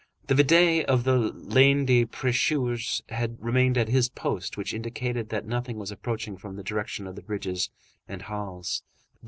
The vidette of the Lane des Prêcheurs had remained at his post, which indicated that nothing was approaching from the direction of the bridges and Halles.